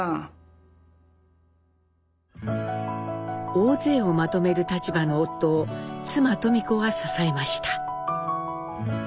大勢をまとめる立場の夫を妻登美子は支えました。